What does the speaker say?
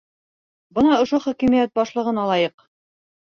Бына ошо хакимиәт башлығын алайыҡ.